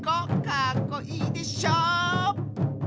かっこいいでしょ！